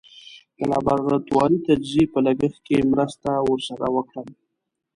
د لابراتواري تجزیې په لګښت کې مرسته ور سره وکړم.